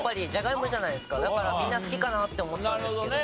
だからみんな好きかなって思ったんですけど。